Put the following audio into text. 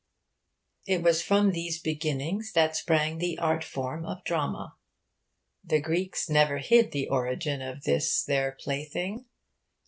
It was from these beginnings that sprang the art form of drama. The Greeks never hid the origin of this their plaything.